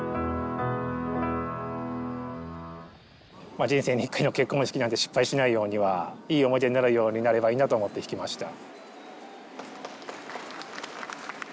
まあ人生に一回の結婚式なんで失敗しないようにはいい思い出になるようになればいいなと思って弾きました。